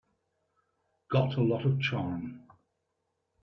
Got a lot of charm.